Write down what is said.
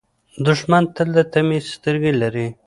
دښمن تل د طمعې سترګې لري